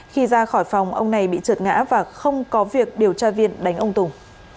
khi ra khỏi phòng ông này bị trượt ngã và không có việc điều tra viên đánh ông tùng